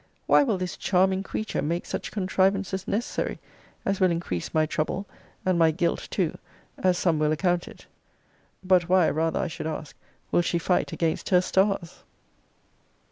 Why will this charming creature make such contrivances necessary, as will increase my trouble, and my guilt too, as some will account it? But why, rather I should ask, will she fight against her stars?